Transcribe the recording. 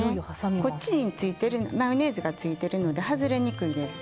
こっちにマヨネーズがついてるので外れにくいです。